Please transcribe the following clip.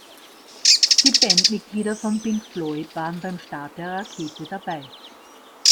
Die Bandmitglieder von Pink Floyd waren beim Start der Rakete dabei.